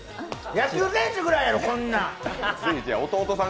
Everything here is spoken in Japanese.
野球選手ぐらいやろ、こんなん。